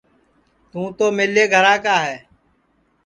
توں تو میلے گھرا کا ہے